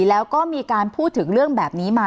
แล้วก็มีการพูดถึงเรื่องแบบนี้มา